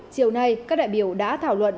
chiều nay các đại biểu đã thảo luận